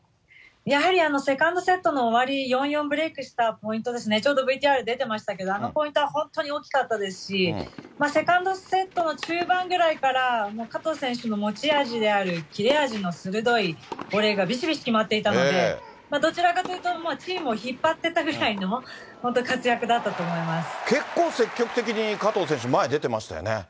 やはりセカンドセットの終わり、４ー４をブレークしたポイントですね、ちょうどＶＴＲ出てましたけど、あれは大きかったですし、セカンドセットの中盤ぐらいから、加藤選手の持ち味である切れ味の鋭いボレーがびしびし決まっていたので、どちらかというと、チームを引っ張ってたぐらいの、結構積極的に加藤選手、前出てましたよね。